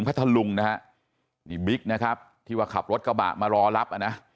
นี่บิ๊กนะครับที่ว่าขับรถกระบะมารอรับ